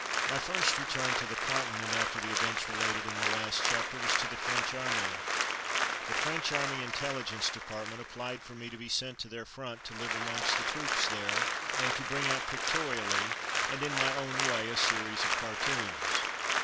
My first return to the Continent after the events related in the last chapter was to the French Army. The French Army Intelli gence Department applied for me to be sent to their front, to live amongst the troops there and to bring out pictorially, and in my own way, a series of cartoons.